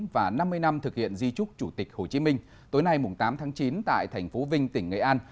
và năm mươi năm thực hiện di trúc chủ tịch hồ chí minh tối nay tám tháng chín tại thành phố vinh tỉnh nghệ an